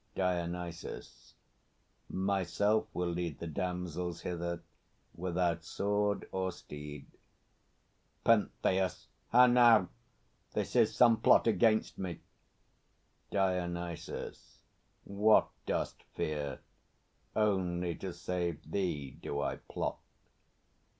DIONYSUS. Myself will lead The damsels hither, without sword or steed. PENTHEUS. How now? This is some plot against me! DIONYSUS. What Dost fear? Only to save thee do I plot.